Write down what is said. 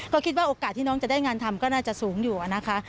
ก็คิดว่าโอกาสที่น้องจะได้งานทำก็น่าจะสูงอยู่นะคะ